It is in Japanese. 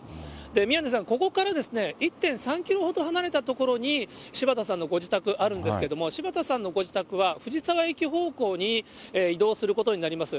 宮根さん、ここから１．３キロほど離れた所に、柴田さんのご自宅あるんですけれども、柴田さんのご自宅は藤沢駅方向に移動することになります。